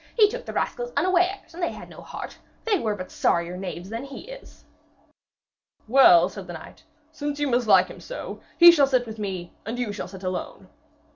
He took the rascals unawares, and they had no heart. They were but sorrier knaves than he is.' 'Well,' said the knight, 'since you mislike him so, he shall sit with me, and you shall sit alone.'